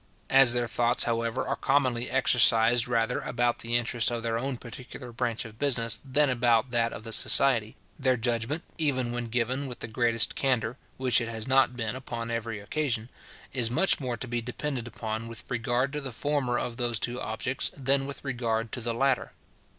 As their thoughts, however, are commonly exercised rather about the interest of their own particular branch of business. than about that of the society, their judgment, even when given with the greatest candour (which it has not been upon every occasion), is much more to be depended upon with regard to the former of those two objects, than with regard to the latter.